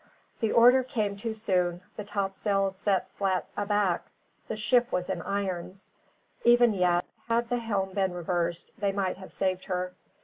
The order came too soon; the topsails set flat aback; the ship was in irons. Even yet, had the helm been reversed, they might have saved her.